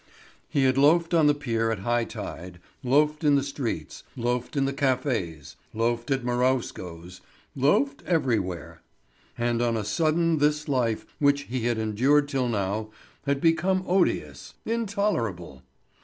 He had loafed on the pier at high tide, loafed in the streets, loafed in the cafés, loafed at Marowsko's, loafed everywhere. And on a sudden this life, which he had endured till now, had become odious, intolerable.